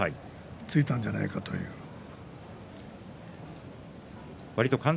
ついたんじゃないかとね。